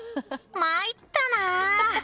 まいったな。